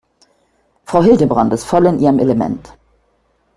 Frau Hildebrand ist voll in ihrem Element.